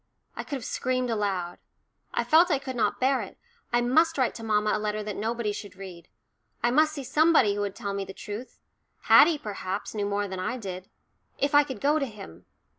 I could have screamed aloud. I felt I could not bear it I must write to mamma a letter that nobody should read. I must see somebody who would tell me the truth Haddie, perhaps, knew more than I did. If I could go to him!